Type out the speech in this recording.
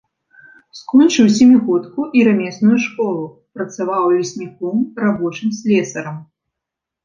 Скончыў сямігодку і рамесную школу, працаваў лесніком, рабочым, слесарам.